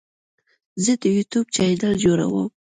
زه د یوټیوب چینل جوړوم.